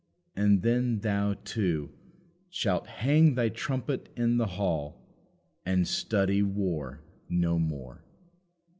And then thou too "Shalt hang thy trumpet in the hall And study war no more."